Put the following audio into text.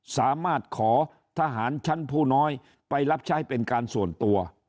สามารถขอทหารชั้นผู้น้อยไปรับใช้เป็นการส่วนตัว